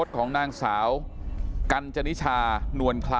ตอนนี้ก็เปลี่ยนแหละ